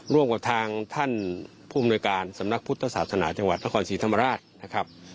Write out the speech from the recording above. ร่วมกับทางท่านผู้อำนวยการสำนักพุทธศาสนาจังหวัดนครศรีธรรมราชนะครับ